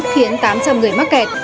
khiến tám trăm linh người mắc kẹt